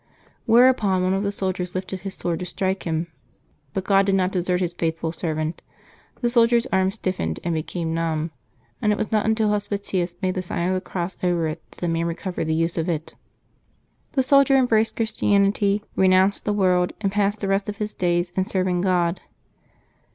Whereupon one of the soldiers lifted his sword to strike him; but God did not desert His faithful servant : the soldier's arm stiffened and became numb, and it was not until Hospitius made the sign of the cross over it that the man recovered the use of it. The soldier embraced Christianity, renounced the world, and passed the rest of his days in serving God.